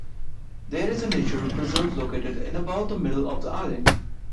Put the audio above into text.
There is a nature preserve located in about the middle of the island.